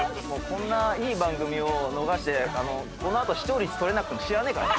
こんないい番組を逃してこの後視聴率取れなくても知らねえからな。